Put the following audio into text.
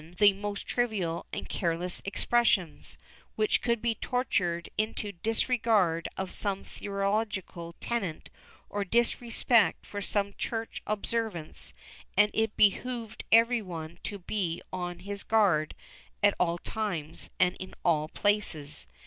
616 BETBOSPECT [Book IX most trivial and careless expressions, which could be tortured into disregard of some theological tenet or disrespect for some church observance, and it behooved every one to be on his guard at all times and in all places.